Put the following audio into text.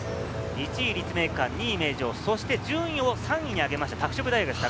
１位・立命館、２位・名城、そして順位を３位に上げました拓殖大学。